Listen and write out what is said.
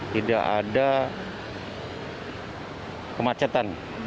tidak ada kemacetan